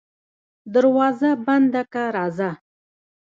دروازه بنده که راځه.